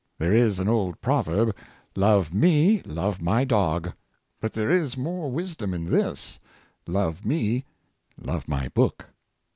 There is an old proverb, Love me, love my dog.'' But there is more wisdom in this: " Love me, love my book."